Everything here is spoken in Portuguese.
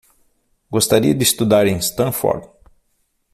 Gostaria de estudar em Stanford?